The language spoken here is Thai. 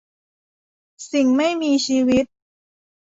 สิ่งไม่มีชีวิต